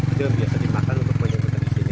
itu yang biasa dimakan untuk menyebutkan di sini